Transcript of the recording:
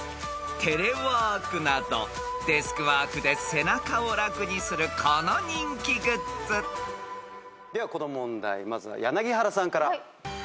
［テレワークなどデスクワークで背中を楽にするこの人気グッズ］ではこの問題まずは柳原さんから。